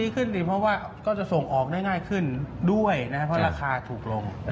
เพราะว่าก็จะส่งออกได้ง่ายขึ้นด้วยนะครับเพราะราคาถูกลง